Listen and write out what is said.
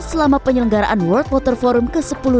selama penyelenggaraan world water forum ke sepuluh di bali